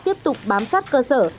tiếp tục bám sát cơ sở